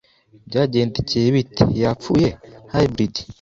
Byagendekeye bite ? Yapfuye? (Hybrid)